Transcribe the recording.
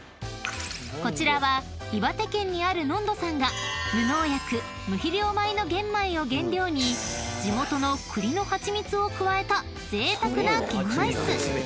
［こちらは岩手県にあるｎｏｎｄｏさんが無農薬・無肥料米の玄米を原料に地元の栗の蜂蜜を加えたぜいたくな玄米酢］